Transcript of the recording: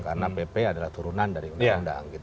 karena pp adalah turunan dari undang undang